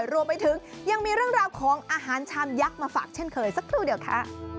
รวมไปถึงยังมีเรื่องราวของอาหารชามยักษ์มาฝากเช่นเคยสักครู่เดียวค่ะ